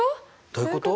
どういうこと？